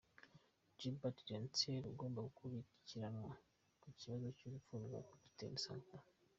Gilbert Diendéré, bagomba gukurikiranwa ku kibazo cy’urupfu rwa capitaine Sankara.